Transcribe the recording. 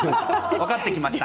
分かってきました。